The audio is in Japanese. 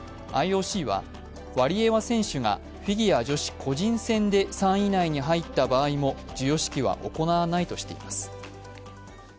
ＩＯＣはワリエワ選手がフィギュア女子個人戦で３位以内に入った場合も授与式は行わないとしています。